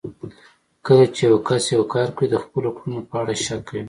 کله چې يو کس يو کار کوي د خپلو کړنو په اړه شک کوي.